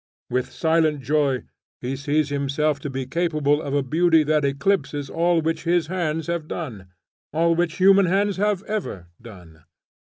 With silent joy he sees himself to be capable of a beauty that eclipses all which his hands have done; all which human hands have ever done.